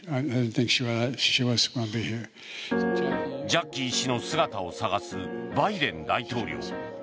ジャッキー氏の姿を探すバイデン大統領。